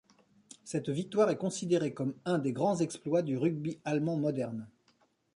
Cette victoire est considéré comme un des grands exploits du rugby allemand moderne.